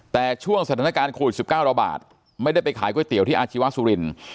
แต่ช่วงสถานการณ์โควิด๑๙ระบาดไม่ได้ไปขายก๋วยเตี๋ยวที่อาชีวสุรินทร์